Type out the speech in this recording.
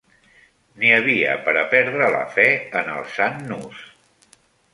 N'hi havia per a perdre la fe en el sant Nus